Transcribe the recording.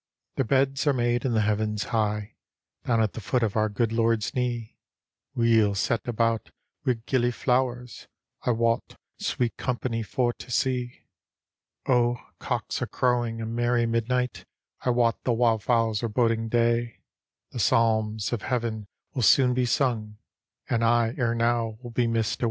Their beds are made in the heavens high, Down at the foot of our good Lord's knee, Weel set about wi' gillyflowers ; I wot, sweet company for to see. " O, cocks are crowing a merry midnight; I wot the wild fowls are boding day; The psalms of heaven will soon be sung. And I, ere now, wiU be missed away."